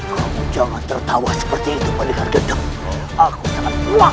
kamu jangan tertawa seperti itu palingar gedung aku sangat puas